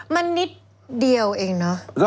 มันนิดเดียวเองเนอะ